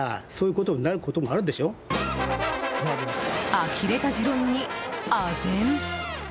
あきれた持論に、あぜん。